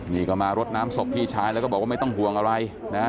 นี่ก็มารดน้ำศพพี่ชายแล้วก็บอกว่าไม่ต้องห่วงอะไรนะฮะ